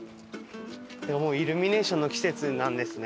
もうイルミネーションの季節なんですね。